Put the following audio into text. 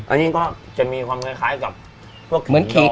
อันนี้ก็จะมีความคล้ายกับพวกเหมือนคิง